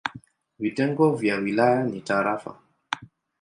Vitengo vya wilaya ni tarafa.